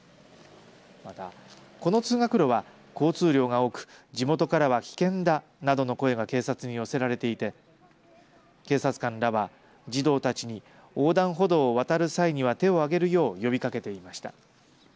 また、この通学路は交通量が多く地元からは危険だなどの声が警察に寄せられていて警察官らは児童たちに横断歩道を渡る際には手を挙げるよう呼びかけていました。